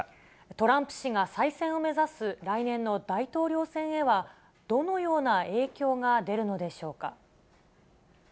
トランプ氏が再選を目指す来年の大統領選へは、どのような影響が出るのでしょうか。